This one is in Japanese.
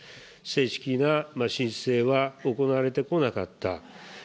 正式な申請は行われてこなかった。